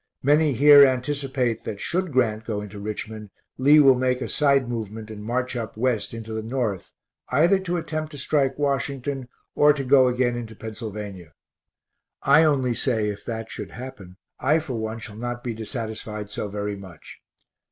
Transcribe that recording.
Many here anticipate that should Grant go into Richmond, Lee will make a side movement and march up west into the North, either to attempt to strike Washington, or to go again into Pennsylvania. I only say if that should happen, I for one shall not be dissatisfied so very much.